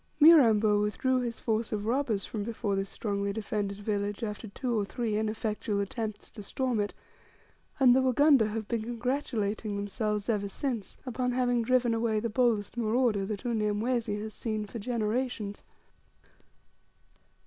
Mirambo withdrew his force of robbers from before this strongly defended village after two or three ineffectual attempts to storm it, and the Wagunda have been congratulating themselves ever since, upon having driven away the boldest marauder that Unyamwezi has seen for generations.